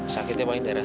sakitnya paling deras